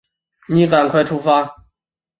你赶快出发